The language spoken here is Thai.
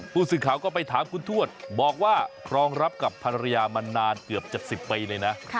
ผู้สื่อข่าวก็ไปถามคุณทวดบอกว่ารองรับกับภรรยามานานเกือบ๗๐ปีเลยนะ